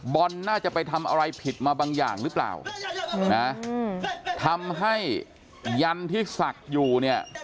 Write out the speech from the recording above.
น่าจะไปทำอะไรผิดมาบางอย่างหรือเปล่านะทำให้ยันที่ศักดิ์อยู่เนี่ย